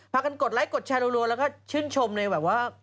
พากันกดไลคดแชร์รัวแล้วก็ชื่นชมในแบบว่า